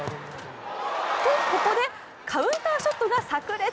とここで、カウンターショットがさく裂。